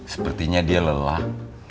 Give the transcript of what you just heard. sepertinya dia lelah